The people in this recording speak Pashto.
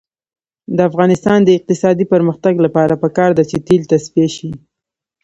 د افغانستان د اقتصادي پرمختګ لپاره پکار ده چې تیل تصفیه شي.